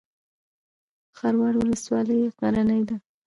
خروار ولسوالۍ غرنۍ ده؟